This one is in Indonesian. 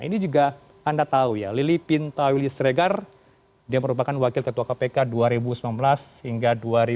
ini juga anda tahu ya lili pinta yuli sregar dia merupakan wakil ketua kpk dua ribu sembilan belas hingga dua ribu dua puluh